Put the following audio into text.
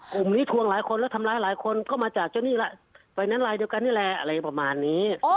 กลุ่มนี้ทวงหลายคนแล้วทำร้ายหลายคนก็มาจากเจ้านี่แหละไฟแนนซ์ลายเดียวกันนี่แหละอะไรประมาณนี้